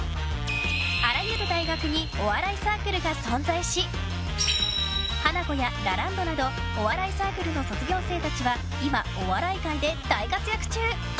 あらゆる大学にお笑いサークルが存在しハナコやラランドなどお笑いサークルの卒業生たちは今、お笑い界で大活躍中。